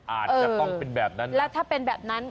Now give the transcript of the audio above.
อาจจะต้องเป็นแบบนั้น